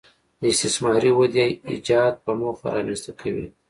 د استثماري ودې ایجاد په موخه رامنځته کوي